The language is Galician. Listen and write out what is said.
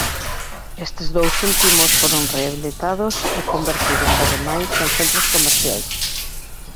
Estes dous últimos foron rehabilitados e convertidos ademais en centros comerciais.